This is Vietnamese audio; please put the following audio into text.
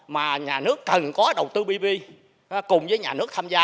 mà nhà nước cần có đầu tư ppp cùng với nhà nước tham gia